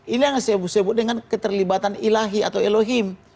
ini yang disebut sebut dengan keterlibatan ilahi atau elohim